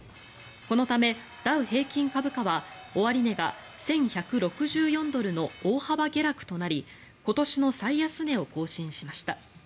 このため、ダウ平均株価は終値が１１６４ドルの大幅下落となり今年の最安値を更新しました。